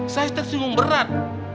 saya tak singgung berat